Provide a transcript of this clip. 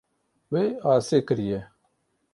Wê asê kiriye.